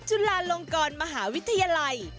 จุฬาลงกรมหาวิทยาลัย